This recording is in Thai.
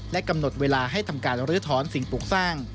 และกำหนดเวลาให้ทำการรื้อถอนสิ่งปลูกสร้าง